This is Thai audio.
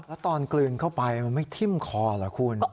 แล้วตอนกลืนเข้าไปมันไม่ทิ้มคอเหรอคุณ